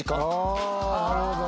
なるほど。